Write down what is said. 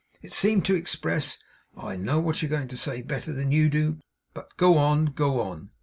It seemed to express, 'I know what you're going to say better than you do; but go on, go on.